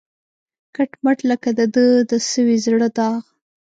کټ مټ لکه د ده د سوي زړه داغ